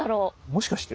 もしかして。